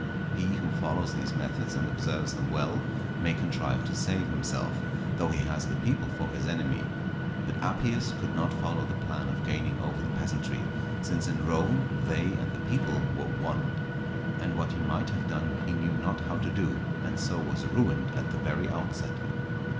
He who follows these methods and observes them well, may contrive to save himself, though he has the people for his enemy. But Appius could not follow the plan of gaining over the peasantry, since in Rome they and the people were one. And what he might have done he knew not how to do, and so was ruined at the very outset.